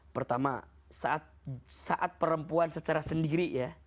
pertama saat perempuan secara sendiri ya